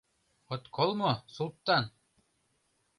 — От кол мо, Султан!